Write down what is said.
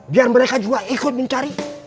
biar mereka juga ikut mencari